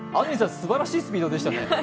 すばらしいスピードでしたね。